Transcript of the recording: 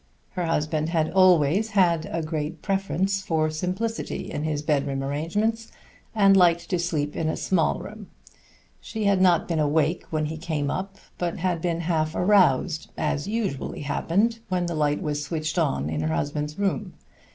Her husband had always had a preference for the greatest simplicity in his bedroom arrangements, and liked to sleep in a small room. She had not been awake when he came up, but had been half aroused, as usually happened, when the light was switched on in her husband's room.